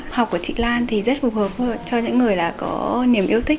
học của chị lan thì rất phù hợp cho những người là có niềm yêu thích